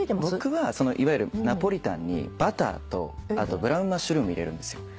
僕はいわゆるナポリタンにバターとブラウンマッシュルーム入れる。